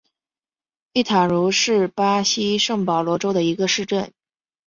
伊塔茹是巴西圣保罗州的一个市镇。